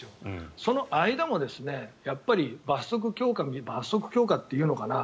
その間も罰則強化罰則強化っていうのかな